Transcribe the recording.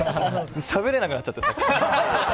しゃべれなくなっちゃって。